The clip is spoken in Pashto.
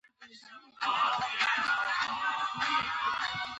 عقل مې ولاړ چې په هوښ به کله بیا راشم.